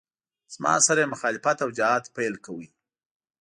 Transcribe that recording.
زما سره یې مخالفت او جهاد پیل کاوه.